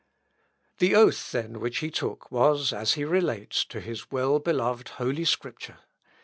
The oath, then, which he took was, as he relates, to his well beloved Holy Scripture.